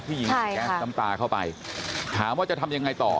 ยิงแก๊สน้ำตาเข้าไปถามว่าจะทำยังไงต่อ